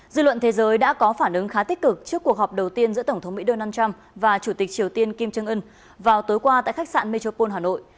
dư luận thế giới đã có phản ứng khá tích cực trước cuộc họp đầu tiên giữa tổng thống mỹ donald trump và chủ tịch triều tiên kim jong un vào tối qua tại khách sạn metropole hà nội